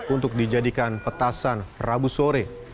untuk dijadikan petasan rabu sore